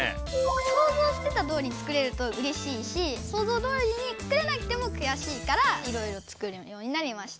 想像してたとおりに作れるとうれしいし想像どおりに作れなくてもくやしいからいろいろ作るようになりました。